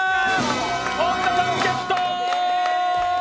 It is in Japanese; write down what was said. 本田さんゲットー！